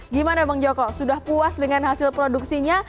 gimana bang joko sudah puas dengan hasil produksinya